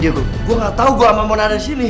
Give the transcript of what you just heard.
dego gue gak tahu gue sama mona ada di sini